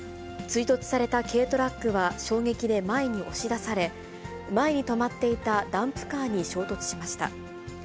追突された軽トラックは衝撃で前に押し出され、前に止まっていたダンプカーに衝突しました。